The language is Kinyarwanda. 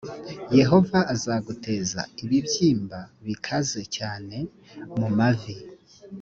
yehova azaguteza ibibyimba bikaze cyane mu mavi